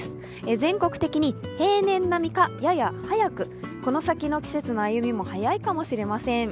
全国的に平年並みかやや早く、この先の季節の歩みも早いかもしれません。